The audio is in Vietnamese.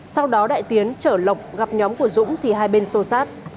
sau đó đại tiến chở lộc gặp nhóm của dũng thì hai bên xô sát